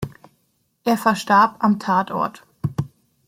Er verstarb am Tatort.